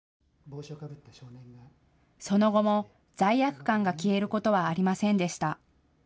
その後も罪悪感が消えることはありませんでした。